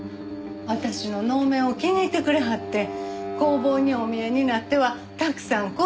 私の能面を気に入ってくれはって工房にお見えになってはたくさん買うてくれはるんです。